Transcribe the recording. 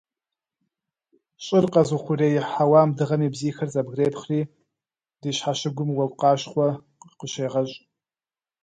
Щӏыр къэзыухъуреихь хьэуам Дыгъэм и бзийхэр зэбгрепхъри ди щхьэщыгум уэгу къащхъуэ къыщегъэщӏ.